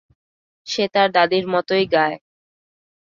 সে তার দাদীর মতোই গায়।